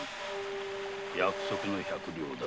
約束の百両だ。